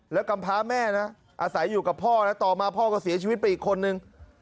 และกัมภาแม่อศัยอยู่กับพ่อแล้วต่อมาพ่อก็เสียชีวิตไปอีกคนหนึ่ง